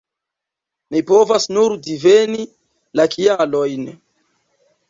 Ni povas nur diveni la kialojn.